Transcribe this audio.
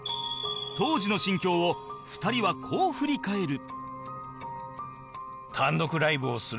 当時の心境を２人はこう振り返る